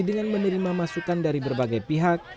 dengan menerima masukan dari berbagai pihak